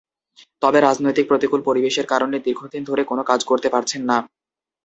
তবে রাজনৈতিক প্রতিকূল পরিবেশের কারণে দীর্ঘদিন ধরে কোনো কাজ করতে পারছেন না।